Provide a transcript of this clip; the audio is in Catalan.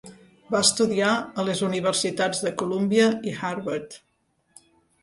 Va estudiar a les universitats de Colúmbia i Harvard.